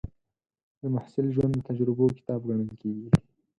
د محصل ژوند د تجربو کتاب ګڼل کېږي.